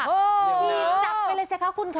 จับไว้เลยค่ะคุณค่ะ